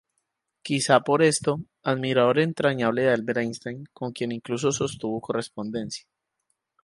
Quizá por esto, admirador entrañable de Albert Einstein, con quien incluso sostuvo correspondencia.